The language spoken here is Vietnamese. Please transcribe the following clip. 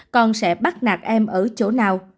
con sẽ bắt nạt em ở chỗ nào